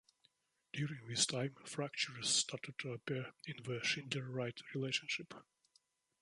During this time, fractures started to appear in the Schindler-Wright relationship.